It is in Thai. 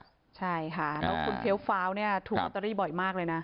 คุณเทพฟาวถูกอัตเตอรี่บ่อยมากเลยนะ